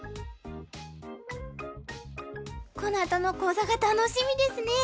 このあとの講座が楽しみですね。